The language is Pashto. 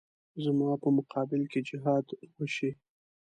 زما په مقابل کې جهاد وشي.